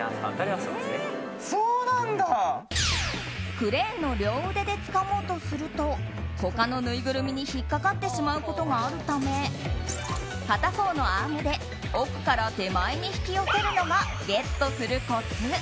クレーンの両腕でつかもうとすると他のぬいぐるみに引っかかってしまうことがあるため片方のアームで奥から手前に引き寄せるのがゲットするコツ。